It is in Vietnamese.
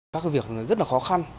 các việc rất là khó khăn